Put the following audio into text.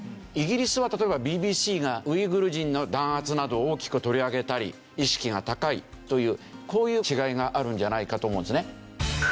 イギリスは例えばＢＢＣがウイグル人の弾圧などを大きく取り上げたり意識が高いというこういう違いがあるんじゃないかと思うんですね。